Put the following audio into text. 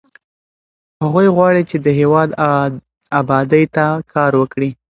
هغوی غواړي چې د هېواد ابادۍ ته کار وکړي.